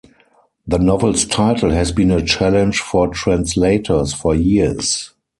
The novel's title has been a challenge for translators for years.